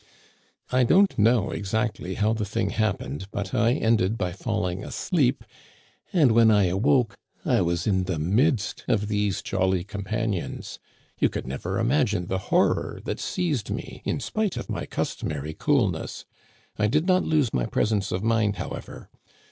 " I don't know exactly how the thing happened, but I ended by falling asleep, and when I awoke I was in the midst of these jolly companions. You could never imagine the horror that seized me, in spite of my cus tomary coolness. 1 did not lose my presence of mind, however.